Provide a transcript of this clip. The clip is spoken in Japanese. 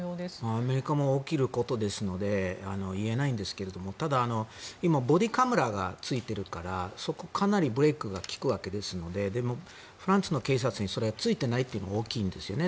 アメリカも起きることですので言えないんですがただ、今ボディーカメラがついているからかなりブレーキが利くわけですのででも、フランスの警察にそれがついていないというのも大きいんですよね。